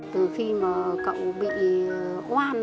từ khi mà cậu bị oan